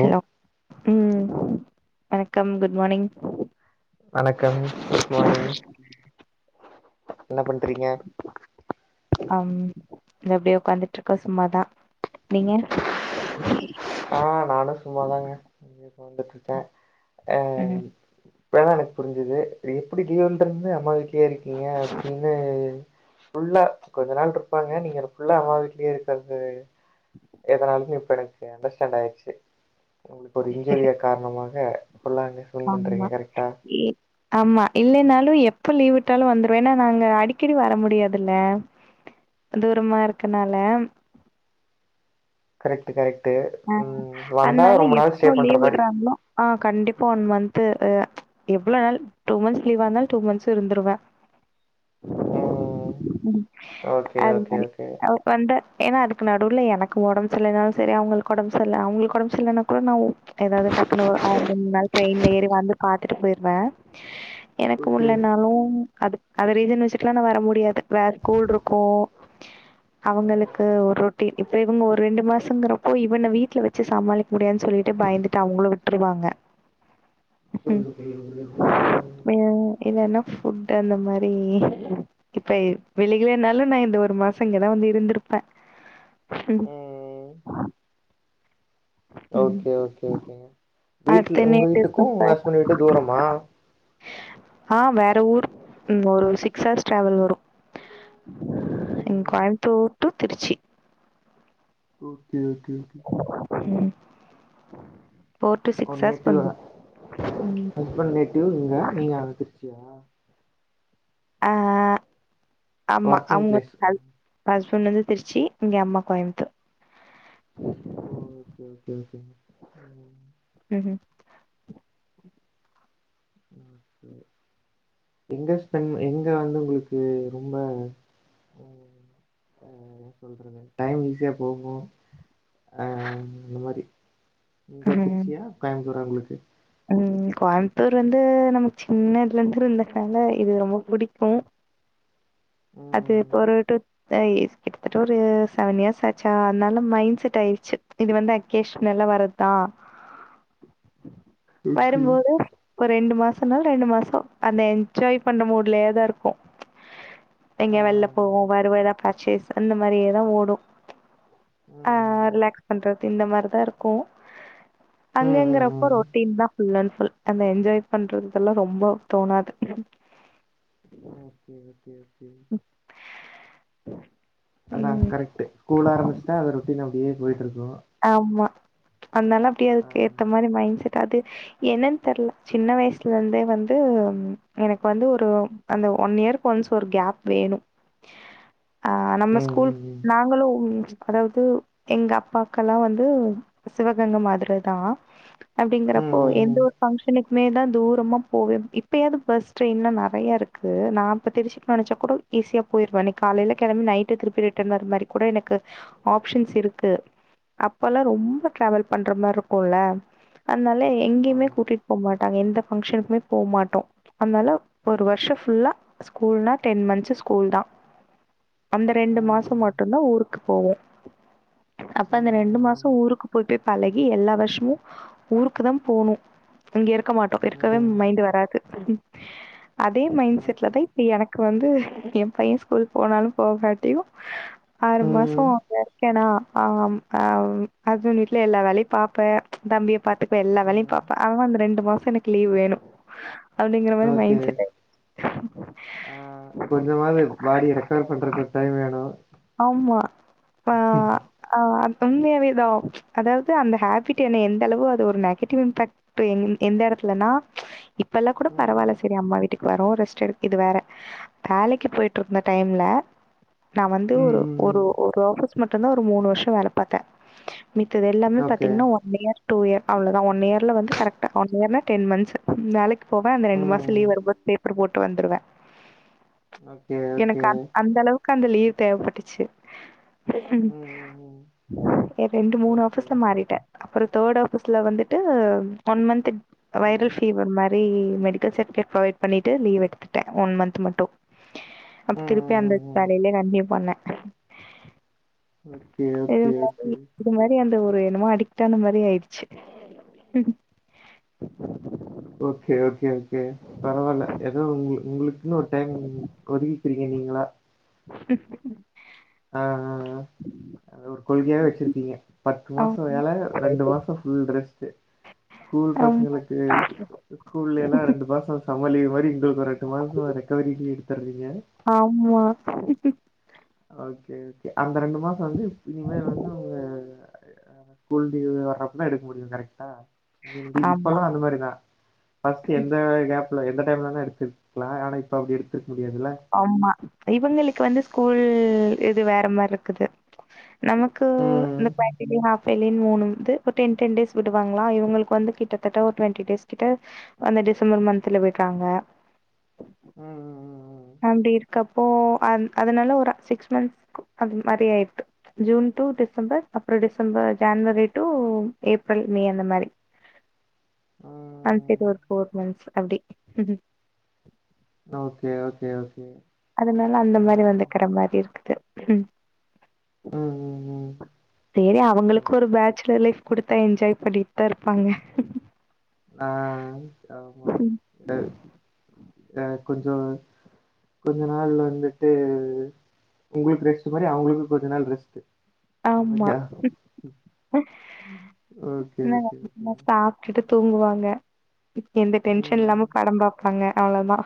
Hello உம் வணக்கம் good morning வணக்கம் [unintelligible] என்ன பண்றீங்க அம் இந்த எப்படியே உக்காந்துட்டு இருக்கோ சும்மாதான் ஆஹ் நானும் சும்மாதாங்க தந்துட்டு இருக்கேன் அஹ் ம் இப்பல்லாம் எனக்கு புரிஞ்சுது எப்படி லீவுல் இருந்து அம்மா வீட்டுலேயே இருக்கீங்க அப்படின்னு ஃபுல்லா கொஞ்ச நாள் இருப்பாங்க நீங்க ஃபுல்லா அம்மா வீட்லயே இருக்கங்க எதனாலும் இப்ப எனக்கு அண்டர்ஸ்டாண்ட் ஆயிடுச்சு உங்களுக்கு ஒரு இன்ஜூரியா காரணமாக சொல்லாங்க பன் பண்றீங்க ஆமா கரெக்டா ஏ ஆமா இல்லைனாலும் எப்ப லீவிட்டாலும் வந்துருவேன்னா நாங்க அடிக்கடி வர முடியாதுல்ல தூரமா இருக்கனால கரக்ட் கரக்ட் அஹ் அதனால எப்ப பண்ற மாரி லீவிட்றாங்களோ ஆஹ் கண்டிப்பா இப்ப ஒன் மந்த்த் எவ்ள நாள் டூ மந்த்ஸ் லீவா இருந்தாலும் டூ மந்த்ஸ் இருந்துருவேன் ம் ஹ் உம் அது மாதிரி அவ வந்த ஏன்னா அது நடுல எனக்கு உடம்பு சரில்லைனாலு சரி அவங்களுக் உடம்பு சரியல்ல அவங்களுக்கு உடம்பு சரியல்லைன்னா கூட நான் ஏதாவது டக்குன் மூணு நாள் ட்ரெயின்ல ஏறி வந்து பாத்துட்டு போயிருவேன் எனக்கு ஓகே முட்லனாலும் அது அது ரீசன் வச்சுக்கலாம் நான் வர முடியாது வேற கூல் இருக்கும் ம் அவங்களுக்கு ம் ஒரு ரொட்டீன் இப்ப இவங்க ஒரு ரெண்டு மாசங்கிறோ ஓ இவனை வீட்டுல வச்சு சமாளிக்க முடியான்னு சொல்லிட்டு பயந்துட்டு அவங்களு விட்ருவாங்க அஹ் [unintelligible] இல்லன்னா ஃபுட் அந்த மாதிரி இப்ப வெளிலனாலும் நான் இந்த ஒரு மாசம் இங்கதான் வந்து இருந்திருப்பேன் ம் ஆஹ் ஓகே ஒகே ஒகேகங்க அடுத்து வீட்டு்ல என்ன உங்க வீட்டுக்கு உங்க டிசம்பர் ஹஸ்பண்ட் வீட்டு தூரமா இந்த ஊர் ம் ஒரு சிக்ஸ் ஆர்ஸ் டிராவல் வரு இங் ம் கோயம்த்தூர் டு திருச்சி ம் செரி ஒகே ஓகே ம் four to uh six hours native ஆ வந்துரும் ம் ஹஸ்பண்ட் நேட்டிவ் இங்க நீங்க அ திருச்சியா ஆ ஆமா ஒர்க்கிங் அவுங்க பிளேஸ் ஓ [unintelligible] சொன்னது திருச்சி இங்க அம்மா கோயம்புத்தூர் ஓ ஓகே ஓகே ம் எங்க ஸ்பெண்ட் எங்க வந்து உங்களுக்கு ரொம்ப டைம் ஈஸியா போகு அ அந்த மாரி இங்க ம் திருச்சியா கோயம்ப்புத்தூரா உங்களுக் க ம் கோயம்புத்தூர் வந்து நமக்கு சின்ன இதுல இருந்து இருந்ததுனால இது ரொம்ப புடிக்கு அது ம் போறட்டு ஆ கிட்டத்தட்ட ஒரு செவன் இயர்ஸ் ஆச்சா அதனால மைண்ட் செட் ஆயிருச்சு இது வந்து அகேஷன் எல்லா வர்தா ஓகே வரும்போது ஒரு ரெண்டு மாசனால ரெண்டு மாசோ அந்த என்ஜாய் பண்ற மூட்லயே தா இருக்கு ஆ எங்கேயே வெள்ல ஆ போவோ ஆ வருவ ஏதா பர்ச்சேஸ் அந்த மாரியேதா ஓடு ஆ ரிலாக்ஸ் பண்றது. இந்த மாரிதா இருக்கு. ம் ம் ம் அங்கங்கறப்ப ம் ரோட் ஃபுல் அண்ட் ஃபுல் அந்த என்ஜாய் பண்றதெல்லா ரொம்போ தோணாது. Okay okay. கே அதா ம் கரெக்ட் கூல் ஆரம்பச்சுட்டா அத ரொட்டின் அப்படியே போயிட்டு இருக். ஆமா. அந்னால அப்படியே ஆ அதுக் ஏத்த மாரி மைண்ட் செட் அது என்னன் தெர்ல சின்ன வயசுல இருந்தே வந்து எனக்கு வந்து ஒரு அந்த ஒன் இயருக்கு ஒன்ஸ் ஒரு கேப் வேணு. ஆ நம்ம ம் ஸ்கூல் ம் ம் நாங்களு அதாவது எங்க அப்பா க்கல்லாம் வந்து சிவகங்கை மாதிரி தா அப்டிங்கறப்போ ம் ம் எந்த ம் ஒரு பங்க்ஷனுக் மே தா தூரமா போவே இப்பயாவது பஸ் ட்ரெயின்லா நெறையா இருக்கு நா இப்ப திரிச்சிக்கு நெனைச்சா கூட ஈஸியா போயிருவே இன்னைக்கி காலையில கெளம்பி நைட்டு திருப்பி ரிட்டர்ன் வர மாரி கூட எனக்கு ஆப்ஷன்ஸ் இருக்கு. அப்ப எல்லா ரொம்ப டிரவல் பண்ற மாரி இருக்குல்ல அ னால எங்கேயமே ஆமா கூட்டிட்டு போக மாட் டாங் எந்த பங்கனுக்குமே போ மாட்டோ அதனால ஒரு வருஷம் ஃபுல்லா ஸ்கூல்னா டென் மந்த்ஸ் ஸ்கூல் தா. அந்த ரெண்டு ம் மாசம் மட்டும்தா ஊரு க்கு போவோ. ம் அந்த ரெண்டு மாசோ ம் ஊருக்கு போய் போய் பழகி எல்லா வருஷமு ஊருக்கு தா போனு இங்க இருக் இருக்க மாட்டோ ம் இருக்கவே ம் மைண்ட் வராது. அது. அதே மைண்ட் ம் செட்ல ஓகே தா இப்ப எனக்கு வந்து. எ பைய ஸ்கூல் போனாலு போகாட்டியும் ஆறு மாசோ ம் அங்க இருக்கேனா ஆம். ஆஹ் அதுன் வீட்டுல எல்லா வேலையு பாப்பே தம்பி பாத்துப்ப எல்லா வேலையு ம் பாப்பே அவான் அந்த ரெண்டு மாசோ எனக்கு லீவ் வேணு அப்டிங்கிற மாரி ஓகே மைண்ட் செட்டு ஆ கொஞ்சமாவது பாடிய ரெக்கவர் பண்றக்கு ஒரு டைம் வேணு ஆமா ஆஹ்ஆஹ். உண்மையாவேதா அதாவது அந்த ஹேபிட் என்ன எந்த அளவு அது ஒரு நெகட்டிவ் இம்பாக்ட் எ எந்த இடத்துலன்னா இப்பெல்லா கூட ம் பரவால்ல செரி அம்மா வீட்டுக்கு வரு ரெஸ்ட் எடு இது வேற வேலைக்கு போயிட்டு இருந்த டைம்ல நாம ஒரே ம் ஒரு ம் ஒரு ம் ஒரு ஆபிஸ் போய் மட்டும்தா ஒரு மூணு வருஷோ வேல பாத்தே மித்தது எல்லாமே ஓகே பாத்தீங்கன்னா ஒன் இயர் டூ இயர் அவ்ளதா ஒன் இயர்ல வந்து கரெக்ட ஒன் இயர்னா டென் மந்த்ஸ்க்கு வேலை போவே அந்த ரெண்டு ம் மாசம் ம் லீ்வ் எடுப்ப டி பிரமோட் ட்டு வந்துருவே ஓகே எனக்கு ஓகே அ அந்த அளவுக் அந்த லீவ்க் தேவைப்பட்டுச்சு ம் ம் ம் ரெண்டு மூணு ஓகே ஆபீஸ்ல மாறிட்டே அப்புறோ தேர்ட் ஆஃபீஸ்ல வந்துட்டு ஒன் மந்த் ம் வைரல் ஃபீவர் மாரி மெடிக்கல் சர்டிபிகேட் பிராவாய் பண்ணிட்டு லீவ் எடுத்துட்டே ஒன் மந்த் மட்டு அப்ப ம் திருப்பி அந்த ம் ம் வேலையிலே கண்டினியூ பண்ணே ஓகே இது ஓகே மாரி ஓகே இது மாரி அந்த ஒர் ரு என்னமோ அடிக்ட் ஆன மாரி ஆயடுச்சு ஓகே ஓகே கே பரவால்ல ஏதோ உங்க உங்களுக் கி ஒரு டைம் [unintelligible] ஆஆஆ அது ஒரு கொள்கையாவே வச்சிருக்கீங்க பத்து ஆம் மாசோ வேல ரெண்டு மாசோ ஃபுல் ரெஸ்ட்டு ஸ்கூல் ஆமா பசங்களுக்கு ஸ்கூல் இல்லேனா ரெண்டு மாசோ சமர் லீவு மாரி இந்த ஒ ரெட்டு மாசமா ரெக்கவரி லீவா எடுத்துறது ஆம்மா ஓகே ஓக அந்த ரெண்டு மாசோ வந்து இனிமே வந்து உங்க ஸ்கூல் லீவு வர்றப்பதா எடுக்க முடியூ கரெக்டா உங்கள்க்கு ஆமா இப்பெல்லா அந்த மாரிதா ஃபஸ்ட் எந்த கேப் இல்ல எந்த டைம்ல வேணா எடுத்துக்லா ஆனா இப்ப அப்டி எடுத்துக் ஆமா இவங்களுக்கு வந்து ஸ்கூல் இது வேற மாரிருக்குது நமக்கு இந்த ம் ப்ராக்டிகல் ஹாஃப் ஃபெலின் மூணு வந்து ஒரு டென் டென் டேஸ் விடுவாங்களா இவுங்களுக்கு வந்து கிட்டத்தட்ட ஒரு ட்வெண்டி டேஸ் கிட்ட அந்த டிசம்பர் மந்த்த்ல விடுறாங்க ம் அப்டி இருக்கப்போ அந் அதனால ஒரு சிக்ஸ் மந்த்ஸ் அது மாரி ஆயிடுது ஜூன் டூ டிசம்பர் அப்றோ December January to April May அந்த மாரி ம் அன்பேய்ட் வர்க் ஃபோர் மன்த்ஸ் அப்டி ஓகே ஓகே ஓகே அதுனால அந்த மாரி ம் வந்துக்கிற மாரி இருக்குது ம் ம் ம் செரி அவுங்களுக்கு ம் ஒரு பேச்சுலர் லைஃப் குடுத் என்ஜாய் பண்ணிட்டு தா இருப்பாங்க ஆ ஆமா ம். அ ஆ கொஞ்சோ கொஞ்ச நாள் வந்துட்டு உங்களுக்கு ரெஸ்ட் மாரி அவுங்களுக்கூ கொஞ்ச நாள் ரெஸ்ட்டு ஆமா [inaudible] ஓகே ஓகே ஓகேங்க சாப்டுட்டு தூங்குவாங்க எந்த டென்ஷன் ம் இல்லாம படம் பாப்பாங்க அவ்ளோதா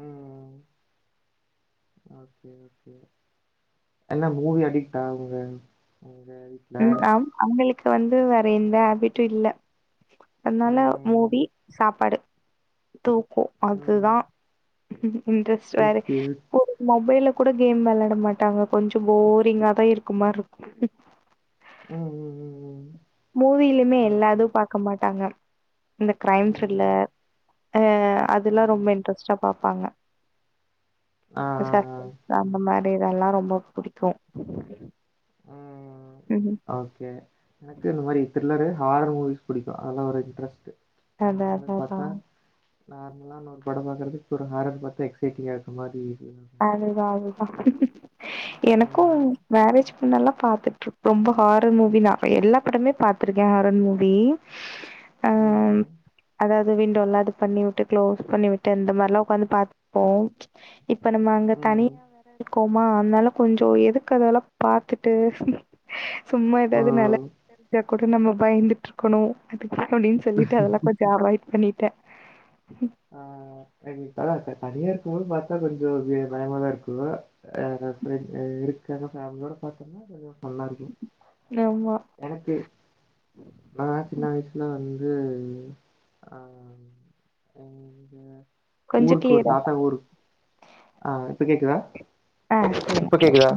ம் ஓகே ஓகே என்ன மூவி அடிக்டா அவுங்க ம் ஆம் அவுங்ளுக்கு வந்து து வேறெந்த ஹேபிட்டூ இல்ல அத்னால ம் மூவி சாப்பாடு தூக்கும் ம் அதுதான் ம் இண்ட்ரஸ் வேற ஓகே. ஒரு மொபைல்ல கூட கேம் வெளையாட மாட்டாங்க கொஞ்சம் போரிங்கா தான் இருக்க மாரி இருக்கும். உம் உம் உம் உம் மூவிலுமே எல்லாதுும் பாக்க மாட்டாங்க இந்த கிரைம் ம், த்ரில்லர் அதெல்லாம் ரொம்ப ம். இன்ட்ரெஸ்ட்டா பாப்பாங் ஆ, பாப்பாங்க ஆ, ஆ. சாப்ட்ட மாரி இதெல்லாம் ரொம்ப புடிக்கும் உஹம் ம் ஓகே எனக்கு இந்த மாரித்த இல்ல ஹாரர் மூவிஸ் பிடிக்கும் அதல்ல ஒரு இன்டரஸ்ட் அதா அதா அதா நார்மலா நம்ம படம் பாக்கறதுக்கு இப்ப ஒரு ஹாரர் பாத்தா எக்சைட்டிங்கா இருக்க மாரி ஃபீல் [unintelligible] ஆகும். ஆ அடுத்து எனக்கும் ம், மேரேஜ் நல்லா பாத்துட்டு இரு ரொம்ப ஹாரர் மூவி நா எல்லா படமே பாத்திருக்கே ஹாரர் மூவி அஹ் ம், அதாவு விண்டோல்லா அது பண்ணி விட்டு க்ளோஸ் பண்ணி விட்டு அந்த மாரி எல்லா உக்காந்து பாத்துப்போ ப்ச் இப்ப நம்ம அங்க ம். தனியா தான இரு போமா அதனால கொஞ்ச எதுக்கு அதல்லா பாத்துட்டு சும்மா ஓ! எதாது [inaudible] கூட நம்ம பயந்துட்டு இருக்கணு அதுக் அப்படின்னு சொல்லிட்டு அதெல்லா கொஞ்ச அவாய்ட் பண்ணிட்டே ஆஹ் அ ப தனியா இரு க்கும் போது பாத்தா கொஞ்ச பயமா தா இருக்கு ஆனா ஃபிரண்ட்ஸ் இருக்க ஃபேமிலியோட பாத்தம்னா கொஞ்ச நல்லா இருக்கு ஆமா. எனக்கு ந சின்ன வயசுல உம் ஆஹ் உம் கொஞ்சம் ஊருக்கு ஒரு கிளியரா தாத்தா ஊருக்கு ஆஹ் இப்ப கேக்குதா ஆ சொல்லுங்க. இப்ப கேக்குதா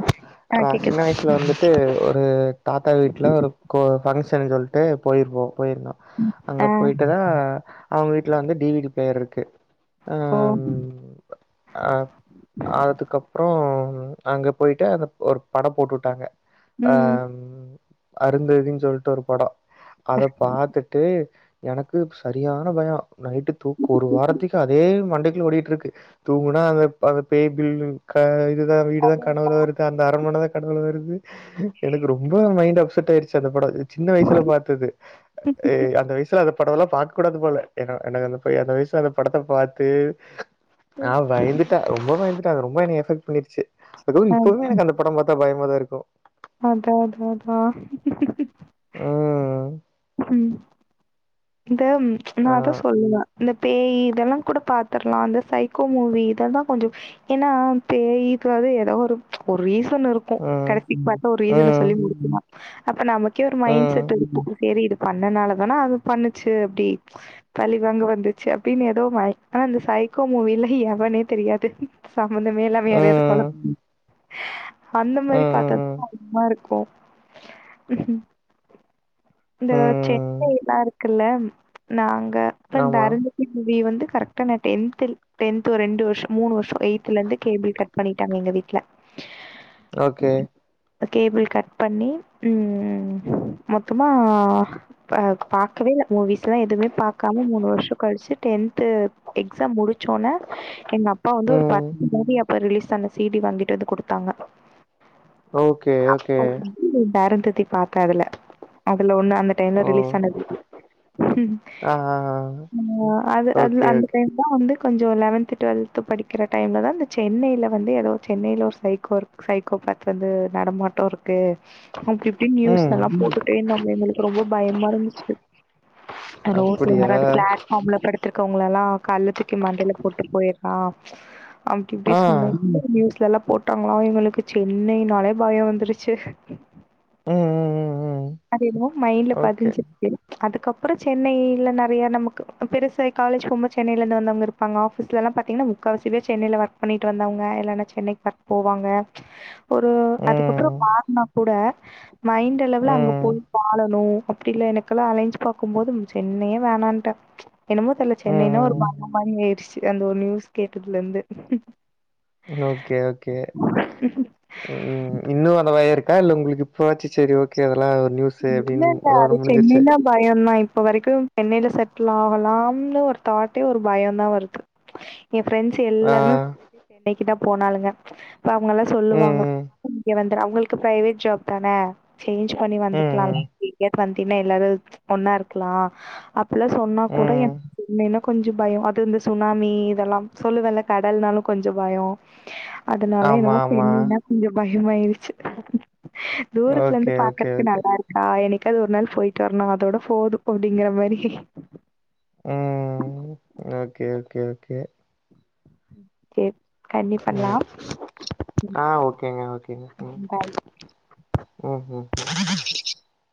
ஆ ஆஹான் சின்ன கேக்குது. வயசுல வந்துட்டு ஒரு தாத்தா வீட்ல ஒரு கோ ஃபங்க்ஷன்னு சொல்ட் டு போயிருவோம் போயிருந்தோம் அங்க ஆ. போயிட்டுதான் அவங்க வீட்ல வந்து டிவிக்கு பெயர் இருக்கு ஓ! அஹ் அஹ் அதுக்கப்புறம் அங்க போயிட்டு அந்த ஒரு படம் போட்டுட்டாங்க ம். அஹ் அருந்தததின்னு சொல்லிட்டு ஒரு படம் அத பாத்துட்டு எனக்கு சரியான பயம் நைட்டு தூக்கு ஒரு வாரத்துக்கு அதே மண்டைக்குல ஓடிகிட்டு இருக்கு தூங்குனா அந்த அந்த பே பில் கா [unintelligible] வீடு அது தான் கனவுல வருது அந்த அரண்மன தான் கனவுல வருது எனக்கு ரொம்ப மைண்ட் அப்செட் ஆயிருச்சு அந்த பட சின்ன வயசுல பாத்தது அஹ் அந்த வயசுல அத படம்லா பாக்க கூடாது போல ஏனா அண்ணா எனக்கு அந்த வயசுல அந்த படத்த பாத்து ஆஹ் பயந்துட்டா ரொம்ப பயந்து ட்டா ரொம்ப மனகசப் வந்துருச்சு அது இப்பவு எனக்கு அந்த பட பாத்தா பயமா வரு இருக்கோ அதா அதா அதா உம் உம் இந்த நா ஆ அதா சொல்ற இந்த பேயி இதெல்லா கூட பாத்துர்லா அந்த சைகோ மூவி இத தா கொஞ்ச ஏனா பேயி பேய்யோ எதோ ஒரு ஒரு ரீஸ் சன் இருக்கு ம் கரெக்ட் இப்பப்ப ஒரு ரீசன ம் சொல்லி முடிச்சிற்லா அப்ப நமக் கே ஒரு மைண்ட் செட் ம் இருக்கு செரி இது பண்ணனால தான அது பண்ணுச்சு அப்டி பழிவாங்க வந்துச்சு அப்டின் எதோ நரெக்டா அந்த சைக்கோ மூவில எவனே தெரியாது சம்மந்தமே இல்லாம யாரயாவ்து கொல ம் அந்த மாரி பாத்தது ம் தா அதிகமா இருக்கும் இந்த ம் சென்னைலா இருக்கு குல்ல நாங் க இப்ப அந்த ஆமா அரஞ்ச [unintelligible] வந்து கரெக்டா நா டென்த்தில் டென்த்து ஒரு ரெண்டு வருஷோ மூணு வருஷோ எய்த்துலேந்து கேபிள் கட் பண்ணிட்டாங்க எங்க வீட்ல ஓகே கேபிள் கட் பண்ணி ம் மொத் த்தமா பா பாக்கவேல்ல மூவிஸ்லா எதூமே பாக்காம மூணு வருஷோ கழிச்சு டென்து எக்ஸாம் முடிச் சோன்ன எங்கப்பா வந்து ஒரு ம் பத்து மணி அப் இப்ப ரிலீஸ் ஆன சீடி வாங்கிட்டு வந்து குடுத்தாங்க ஓகே ஓகே த்திதி பாத்தே அதுல அதுல ஒன்னா அந்த டைம்ல ஓ ரிலிஸ் ஆனது ம் ஆ ஆ ஆ ஆ அது அது ஓகே அந்த ஓகே டைம் தா வந்து கொஞ்சோ லெவன்த்து டுவல்த்து படிக்கிற டைம்ல தா இந்த சென்னையில வந்து ஏதோ சென்னையில ஒரு சைக்கோ இருக் சைக்கோ பாத்தது நடமாட்டோ இருக் கு அப்டி இப்டினு ம் நியூஸ்லலா போட் எங்களுக்கு ரொம்போ பயமாருந்துச்சு ரோட்ல அப்படியா யாராது பிளாட்ஃபார்ம்ல படுத்திருக் ஓங்களல்லா கல்ல தூக்கி மண்டைல போட்டு போயிர்றா அப்டி இப்டி ஆ சொன்ன நியூஸ்லல்லாப் போட்டாங்ளா எங்களுக்கு சென்னைனாலே பயோ வந்துருச்சு ம் ம் ம் ம் அது என்னமோ மைண்ட்ல ஓகே பதிஞ்சுருச்சு அதுக்கப்றோ சென்னையில நெறைய நமக் பெருசாயி காலேஜ் போம்போது சென்னையிலேந்து வந்தவங்க இருப்பாங்க ஆஃபீஸ்லல்லா பாத்தீங்னா முக்காவசிப்பேரு சென்னைல வர்க் பண்ணிட்டு வந்தவங்க இல்லன்னா சென்னைக்கு வர்க் போவாங்க ஒரு அதுக்கப்றோ ம் மார்ணம் கூட மைண்ட் அளவுல அங்கப் ம் ஆலணூ அப்டி இல்ல எனக்கெல்லா அலையன்ஸ் பாக்கும்போது சென்னையே வேணான்ட்டே என்னமோ தெர்ல சென்னைனா ஒரு ம் மரண பயோ ஏறிடுச்சு அந்த ஒரு நியூஸ் கேட்டதுலேந்து ஓகே ஓகே ம் இன்னூ அந்த பயோ இருக் க்கா இல்ல ஒங்களுக்கு இப்பாவாச்சு செரி ஓகே அதெல்லா ஒரு நியூஸு அப்டின்னு இல்லல்ல அதோட அது முடிஞ்சிருச்சு சென்னைன்னா பயோந்தா இப் ப வரைக்கூ சென்னையில செட்டில் ஆவலான்னு ஒரு தாட்டே ஒரு பயோந்தா வருது என் ஃப்ரெண்ட்ஸ் ஆ எல்லாருமே [inaudible] கிட்ட போனாளுங்க இப்ப அவுங்கல்லா சொல்லுவாங்க ம் இங்க வந் அவங்களுக்கு ப்பிரைவேட் ஜாப் தான சேஞ்ச் பண்ணி ம் வந்துட் ம் [unintelligible] வந்தீன்னா எல்லாரு ஒன்னா இருக்கலா அப் ட்லா சொன்னாக் ம் கூட எ ம் மெனு கொஞ்சோ பயம் அது இந்த சுனாமி இதெல்லா சொல்லுவல்ல கடல்னாலு கொஞ்சோ பயோ அதனால ஆமா என்னமோ ஆமா [unintelligible] கொஞ்சோ பயோ அதிகமாயிருச்சு தூரத்துல இருந்து ஓகே ஓகே பாக்கறதுக்கு ஓகே நல்லா இருக் ஆஹ் என்னைக்காவது ஒரு நாள் போயிட்டு வரணு அதோட போது அப்டிங்கிற மாரி ஊம் ஓகே ஓகே ஓகே கே உம் ஆஹ் ஓக்கேங்க ஓக்கேங்க பாய். உஹம் உஹம்